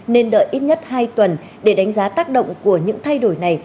nên đợi ít nhất hai tuần để đánh giá tác động của những thay đổi này